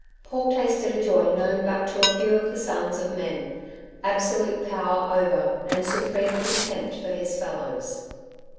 Paul tasted a joy known but to few of the sons of men absolute power over, and supreme contempt for, his fellows.